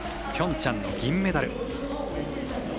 ピョンチャンの銀メダル。